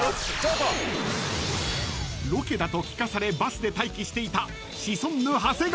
［ロケだと聞かされバスで待機していた］